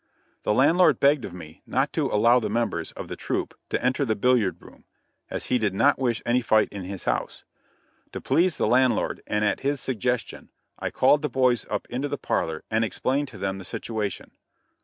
The landlord begged of me not to allow the members of the troupe to enter the billiard room, as he did not wish any fight in his house. To please the landlord, and at his suggestion, I called the boys up into the parlor and explained to them the situation.